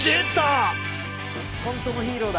本当のヒーローだ！